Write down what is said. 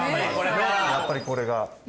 やっぱりこれが。